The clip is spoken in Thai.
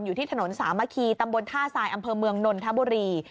อยู่ที่ถนนสามัคคีตำบลท่าทรายอำเภอเมืองนนทบุรี